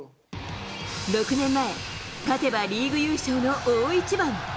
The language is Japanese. ６年前、勝てばリーグ優勝の大一番。